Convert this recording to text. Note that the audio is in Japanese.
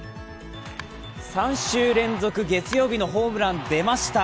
３週連続月曜日のホームラン、出ました。